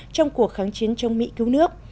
trong cuộc kháng chiến chống mỹ cứu nước